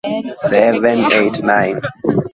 lakini kila jamii inajitofautisha kwa lahaja yake